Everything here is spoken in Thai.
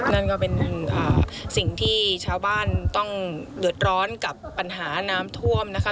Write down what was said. นั่นก็เป็นสิ่งที่ชาวบ้านต้องเดือดร้อนกับปัญหาน้ำท่วมนะคะ